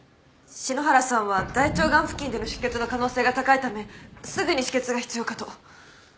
篠原さんは大腸がん付近での出血の可能性が高いためすぐに止血が必要かと。